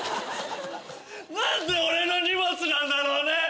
なんで俺の荷物なんだろうね！